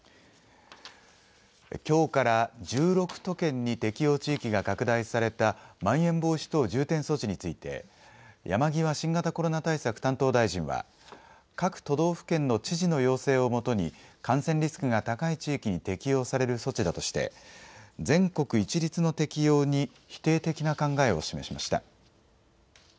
きょうから１６都県に適用地域が拡大されたまん延防止等重点措置について山際新型コロナ対策担当大臣は各都道府県の知事の要請をもとに感染リスクが高い地域に適用される措置だとして全国一律の適用に否定的な考えを示しました。